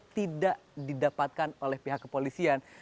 tidak didapatkan oleh pihak kepolisian